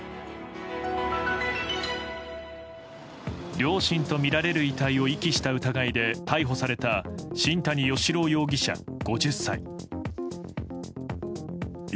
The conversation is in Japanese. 両親とみられる遺体を遺棄した疑いで逮捕された新谷嘉朗容疑者、５０歳。